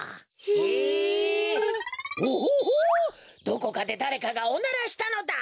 どこかでだれかがおならしたのだ。